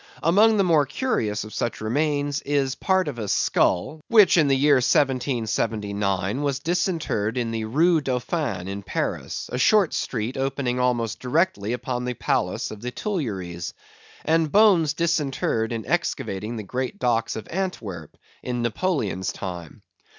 Among the more curious of such remains is part of a skull, which in the year 1779 was disinterred in the Rue Dauphine in Paris, a short street opening almost directly upon the palace of the Tuileries; and bones disinterred in excavating the great docks of Antwerp, in Napoleon's time.